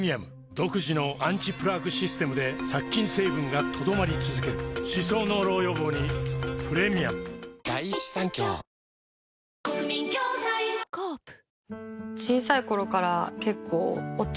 独自のアンチプラークシステムで殺菌成分が留まり続ける歯槽膿漏予防にプレミアムなんか綺麗になった？